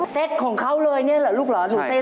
เซตของเขาเลยนี่ลูกเหรอ